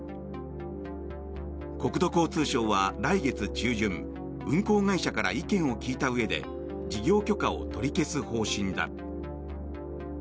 国土交通省は来月中旬運航会社から意見を聞いたうえで事業許可を取り消す方針だ。